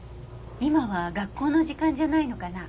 今は学校の時間じゃないのかな？